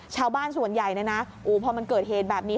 ชาวบ้านส่วนใหญ่พอมันเกิดเหตุแบบนี้